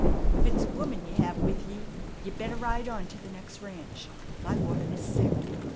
"If it's a woman ye have with ye, ye better ride on to the next ranch. My woman is sick.